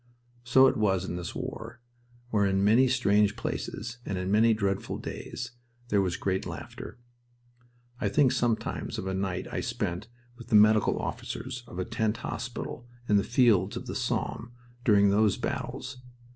So it was in this war, where in many strange places and in many dreadful days there was great laughter. I think sometimes of a night I spent with the medical officers of a tent hospital in the fields of the Somme during those battles.